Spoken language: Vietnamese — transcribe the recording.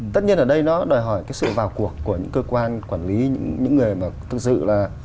tất nhiên ở đây nó đòi hỏi cái sự vào cuộc của những cơ quan quản lý những người mà thực sự là